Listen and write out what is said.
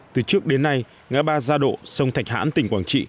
từ trước đến nay ngã ba gia độ sông thạch hãn tỉnh quảng trị